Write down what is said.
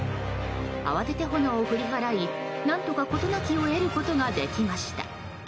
慌てて炎を振り払い、何とか事なきを得ることができました。